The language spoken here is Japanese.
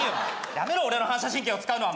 やめろ俺の反射神経を使うのは。